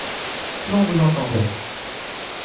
Si l’on vous entendait ?